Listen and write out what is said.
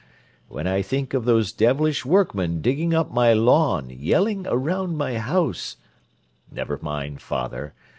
When I think of those devilish workmen digging up my lawn, yelling around my house—" "Never mind, father.